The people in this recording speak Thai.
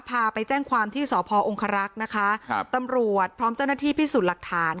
พาไปแจ้งความที่สพองครักษ์นะคะครับตำรวจพร้อมเจ้าหน้าที่พิสูจน์หลักฐาน